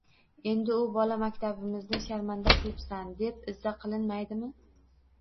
– Endi u bola «maktabimizni sharmanda qilibsan», deb izza qilinmaydimi?